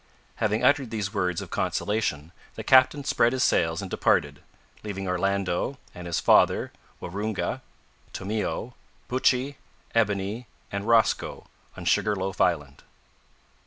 Having uttered these words of consolation, the captain spread his sails and departed, leaving Orlando, and his father, Waroonga, Tomeo, Buttchee, Ebony, and Rosco on Sugar loaf Island.